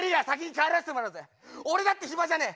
俺だって暇じゃねえ。